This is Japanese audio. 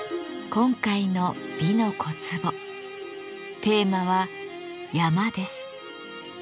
今回の「美の小壺」テーマは「山」です。